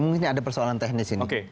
ini ada persoalan teknis ini